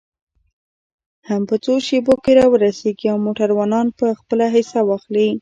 هم په څو شیبو کې را ورسېږي او موټروانان به خپله حصه واخلي.